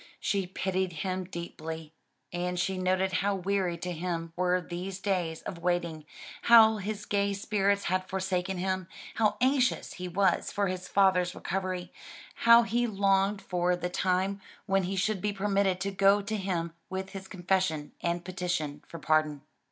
She pitied him deeply, as she noted how weary to him were these days of waiting, how his gay spirits had forsaken him, how anxious he was for his father's recovery; how he longed for the time when he should be permitted to go to him with his confession and petition for pardon.